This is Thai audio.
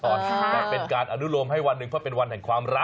แต่เป็นการอนุโลมให้วันหนึ่งเพราะเป็นวันแห่งความรัก